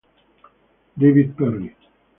David Perry.